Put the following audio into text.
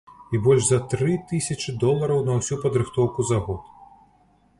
І больш за тры тысячы долараў на ўсю падрыхтоўку за год!